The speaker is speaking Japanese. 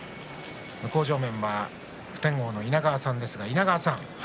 向正面は普天王の稲川さんです。